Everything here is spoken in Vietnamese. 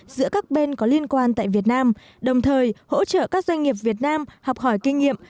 giữa các bên có liên quan tại việt nam đồng thời hỗ trợ các doanh nghiệp việt nam học hỏi kinh nghiệm